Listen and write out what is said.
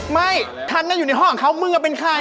ไม่ฉันน่ะอยู่ในห้อของเขามือเป็นใคร